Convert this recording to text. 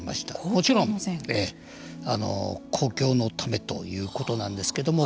もちろん、公共のためということなんですけれども。